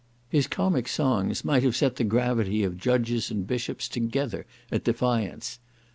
His comic songs might have set the gravity of the judges and bishops together at defiance.